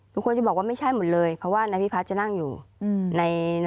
ทุกคนจะบอกว่าไม่ใช่หมดเลยเพราะว่านายพิพัฒน์จะนั่งอยู่ใน